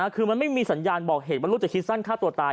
คือมันไม่มีสัญญาณบอกเหตุว่าลูกจะคิดสั้นฆ่าตัวตาย